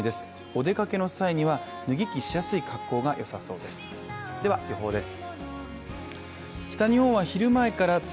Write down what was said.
お出かけの際には脱ぎ着しやすい格好がよさそうです。